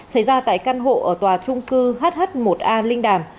xảy ra tại căn hộ ở tòa trung cư hh một a linh đàm